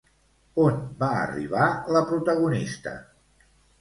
On va arribar la protagonista?